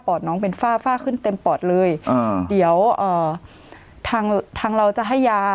น้องเป็นฝ้าฝ้าขึ้นเต็มปอดเลยอ่าเดี๋ยวเอ่อทางทางเราจะให้ยา